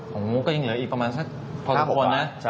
อย่างนู้นก็ยังเหลืออีกประมาณสัก๕๖บาทนะ